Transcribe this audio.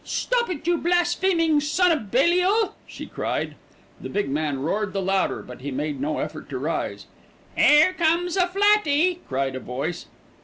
"Stop it, you blaspheming son o' Belial," she cried. The big man roared the louder; but he made no effort to rise. "'Ere comes a flatty," cried a voice.